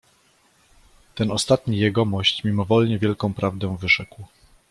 "Ten ostatni Jegomość mimowolnie wielką prawdę wyrzekł."